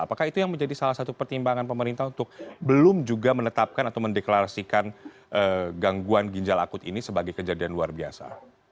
apakah itu yang menjadi salah satu pertimbangan pemerintah untuk belum juga menetapkan atau mendeklarasikan gangguan ginjal akut ini sebagai kejadian luar biasa